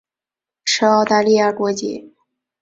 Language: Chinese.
持澳大利亚国籍。